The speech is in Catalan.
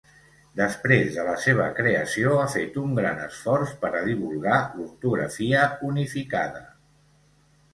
Després de la seva creació ha fet un gran esforç per a divulgar l'ortografia unificada.